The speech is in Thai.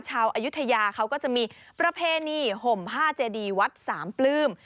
อายุทยาเขาก็จะมีประเพณีห่มผ้าเจดีวัดสามปลื้ม